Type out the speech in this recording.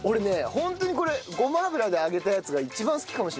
本当にこれごま油で揚げたやつが一番好きかもしれない。